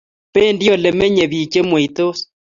Bendi Ole menyei bik chemweitos